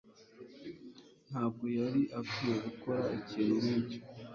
Ntabwo yari akwiye gukora ikintu nkicyo.